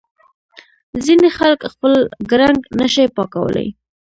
ځینې خلک خپل ګړنګ نه شي پاکولای.